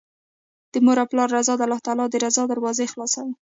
د مور او پلار رضا د الله تعالی د رضا دروازې خلاصوي